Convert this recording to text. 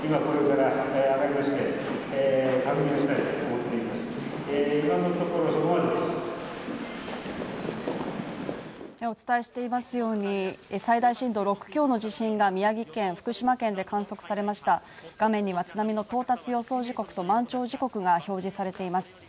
今、お伝えしていますように最大震度６強の地震が宮城県、福島県で観測されました画面には津波の到達予想時刻と満潮時刻が表示されています